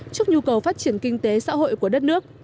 trước nhu cầu phát triển kinh tế xã hội của đất nước